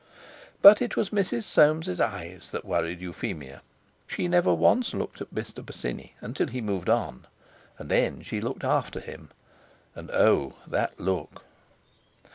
But it was Mrs. Soames' eyes that worried Euphemia. She never once looked at Mr. Bosinney until he moved on, and then she looked after him. And, oh, that look!